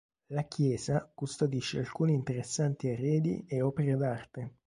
La chiesa custodisce alcuni interessanti arredi e opere d'arte.